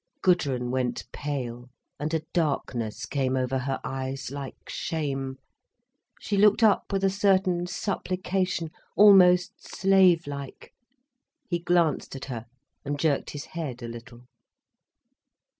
Gudrun went pale, and a darkness came over her eyes, like shame, she looked up with a certain supplication, almost slave like. He glanced at her, and jerked his head a little.